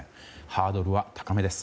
ハードルは高めです。